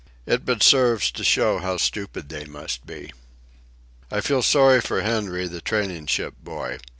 It but serves to show how stupid they must be. I feel sorry for Henry, the training ship boy.